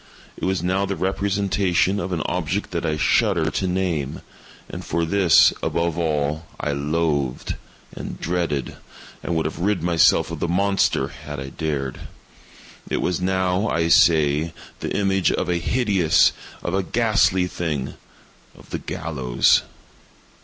It was now the representation of an object that I shudder to name—and for this, above all, I loathed, and dreaded, and would have rid myself of the monster had I dared—it was now, I say, the image of a hideous—of a ghastly thing—of the GALLOWS!